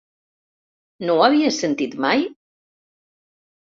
No ho havies sentit mai?